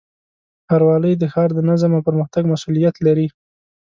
ښاروالۍ د ښار د نظم او پرمختګ مسؤلیت لري.